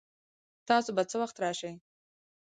تاسو به څه وخت راشئ؟